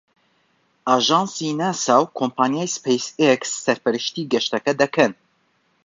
ئاژانسی ناسا و کۆمپانیای سپەیس ئێکس سەرپەرشتی گەشتەکە دەکەن.